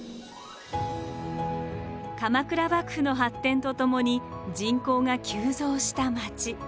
鎌倉幕府の発展とともに人口が急増した町。